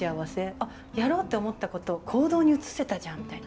あやろうって思ったこと行動に移せたじゃん」みたいな。